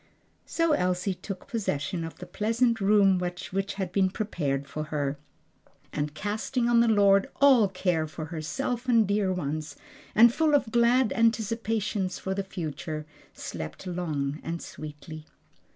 So Elsie took possession of the pleasant room which had been prepared for her, and casting on the Lord all care for herself and dear ones, and full of glad anticipations for the future, slept long and sweetly.